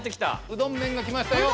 うどん麺がきましたよ。